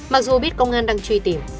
mặc dù biết công an đang truy tìm